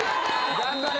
頑張れ！